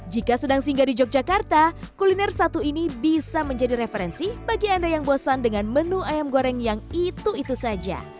jika sedang singgah di yogyakarta kuliner satu ini bisa menjadi referensi bagi anda yang bosan dengan menu ayam goreng yang itu itu saja